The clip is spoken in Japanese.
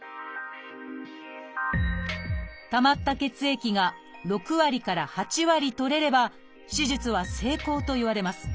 たまった血液が６割から８割取れれば手術は成功といわれます。